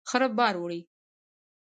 خره بار وړي.